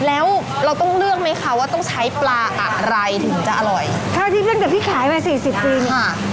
แล้วเราต้องเลือกไหมคะว่าต้องใช้ปลาอะไรถึงจะอร่อยเท่าที่เพื่อนกับพี่ขายมาสี่สิบปีนี่ค่ะ